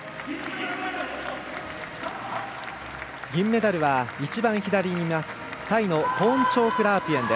銀メダルは一番左にいますタイのポーンチョーク・ラープイェン。